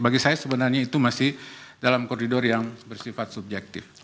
bagi saya sebenarnya itu masih dalam koridor yang bersifat subjektif